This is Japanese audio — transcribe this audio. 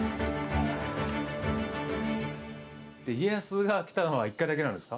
家康が来たのは１回だけなんですか？